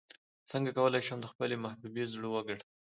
څنګه کولی شم د خپلې محبوبې زړه وګټم